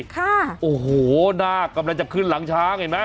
ค่ะโอ้โหหน้ากำลังจะขึ้นหลังช้างเห็นไหม